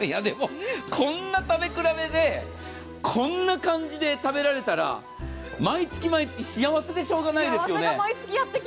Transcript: こんな食べ比べで、こんな感じで食べられたら毎月毎月幸せでしようがないですよね。